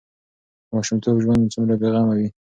د ماشومتوب ژوند څومره بې غمه وي.